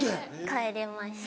帰りました。